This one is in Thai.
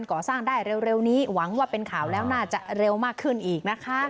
ก่อสร้างได้เร็วนี้หวังว่าเป็นข่าวแล้วน่าจะเร็วมากขึ้นอีกนะคะ